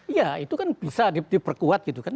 iya itu kan bisa diperkuat gitu kan